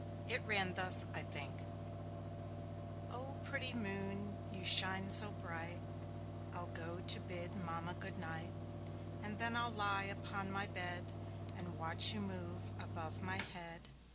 It ran thus, I think: O pretty Moon, you shine so bright! I'll go to bid Mamma good night, And then I'll lie upon my bed And watch you move above my head.